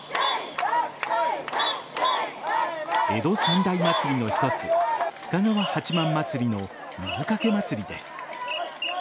江戸三大祭りの一つ深川八幡祭りの水かけまつりです。